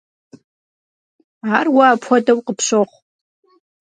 Ар уэ апхуэдэу къыпщохъу.